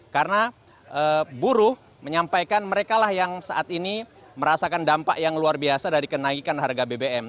karena buruh menyampaikan mereka lah yang saat ini merasakan dampak yang luar biasa dari kenaikan harga bbm